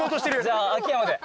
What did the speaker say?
じゃあ秋山で。